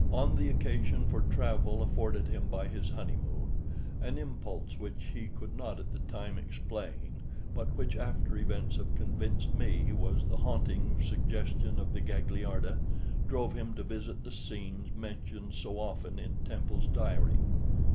On the occasion for travel afforded him by his honeymoon, an impulse which he could not at the time explain, but which after events have convinced me was the haunting suggestion of the Gagliarda, drove him to visit the scenes mentioned so often in Temple's diary.